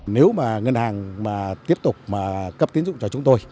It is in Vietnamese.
nếu mà ngân hàng tiếp tục cấp tiến dụng cho chúng tôi